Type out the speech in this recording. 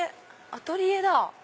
アトリエだ！